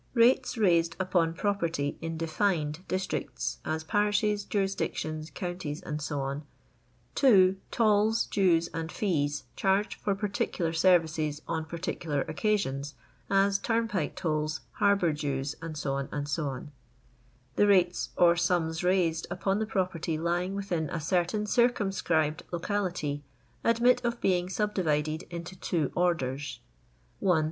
Kates raised upon property in defined dis tricts, as parishes, jurisdictions, counties, &c. II. Tolls, dues, and fees charged for particular services on particular occasions, as turnpike tolls, harbour dues, &c., 8cc. The rates or sums raised upon the property lying within a certain circumscribed locality, admit of being subdivided into two orders — 1.